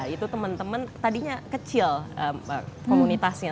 itu teman teman tadinya kecil komunitasnya